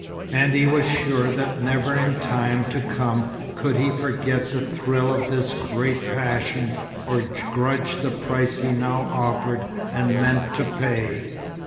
And he was sure that never in time to come could he forget the thrill of this great passion, or grudge the price he now offered and meant to pay.